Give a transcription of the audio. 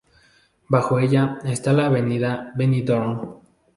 Bajo ella, está la avenida Benidorm.